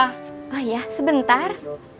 oh iya sebentar